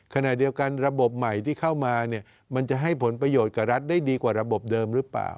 ขณะเดียวกันระบบใหม่ที่เข้ามาเนี่ยมันจะให้ผลประโยชน์กับรัฐได้ดีกว่าระบบเดิมหรือเปล่า